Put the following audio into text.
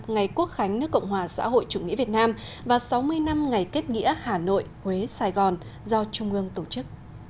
ngày quốc khánh nước cộng hòa xã hội chủ nghĩa việt nam và sáu mươi năm ngày kết nghĩa hà nội huế sài gòn do trung ương tổ chức